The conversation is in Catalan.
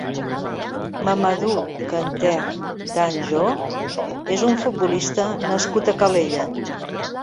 Mamadou Kanteh Danjo és un futbolista nascut a Calella.